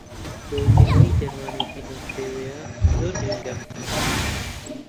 دۆزینەوەی دەرمانێکی لەم شێوەیە زۆر گرنگە